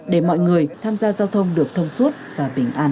để mọi người tham gia giao thông được thông suốt và bình an